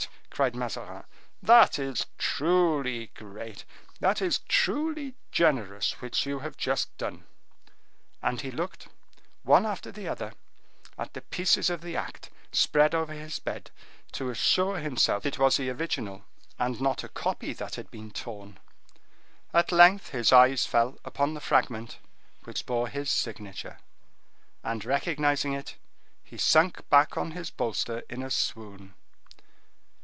cried Mazarin; "that is truly great—that is truly generous which you have just done." And he looked, one after the other, at the pieces of the act spread over his bed, to assure himself that it was the original and not a copy that had been torn. At length his eyes fell upon the fragment which bore his signature, and recognizing it, he sunk back on his bolster in a swoon.